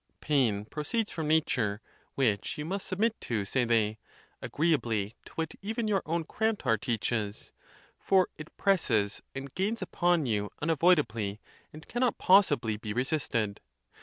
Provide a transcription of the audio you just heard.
Pain proceeds from nature, which you must submit to, say they, agreeably to what even your own Crantor teaches, for it presses and gains upon you unavoidably, and cannot possibly be re sisted.